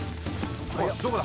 どこだ？